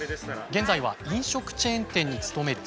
現在は飲食チェーン店に勤める孫さん。